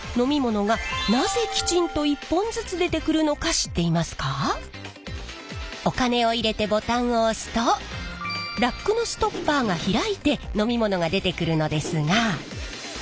ところで自販機からお金を入れてボタンを押すとラックのストッパーが開いて飲み物が出てくるのですが。